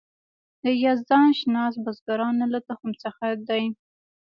د یزدان شناس بزرګانو له تخم څخه دی.